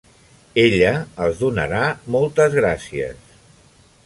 Ella els donarà moltes gràcies.